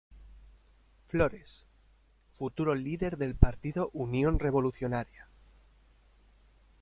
Flores, futuro líder del Partido Unión Revolucionaria.